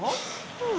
うん。